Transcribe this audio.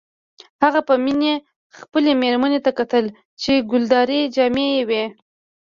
هغه به په مینه خپلې میرمنې ته کتل چې ګلدارې جامې یې وې